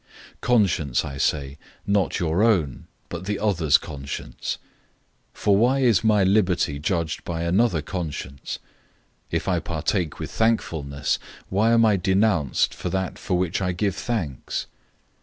010:029 Conscience, I say, not your own, but the other's conscience. For why is my liberty judged by another conscience? 010:030 If I partake with thankfulness, why am I denounced for that for which I give thanks?